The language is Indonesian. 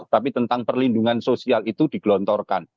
tapi tentang perlindungan sosial itu digelontorkan